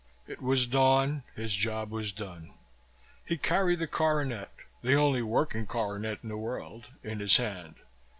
It was dawn. His job was done. He carried the coronet, the only working coronet in the world, in his hand.